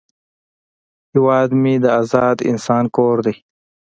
هیواد مې د آزاد انسان کور دی